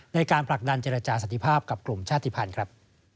ในการผลักดันเจรจาสันติภาพกับกลุ่มชาติภัณฑ์ครับ